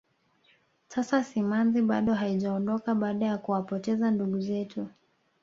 sasa simanzi bado haijaondoka baada ya kuwapoteza ndugu zetu